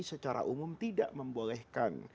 secara umum tidak membolehkan